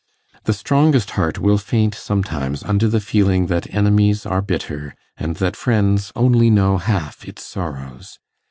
The strongest heart will faint sometimes under the feeling that enemies are bitter, and that friends only know half its sorrows.